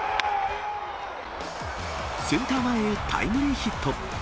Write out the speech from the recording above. センター前へタイムリーヒット。